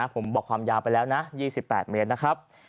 ผมบอกความยาวไปแล้วนะ๒๘เมตรนะครับ